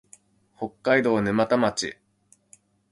北海道沼田町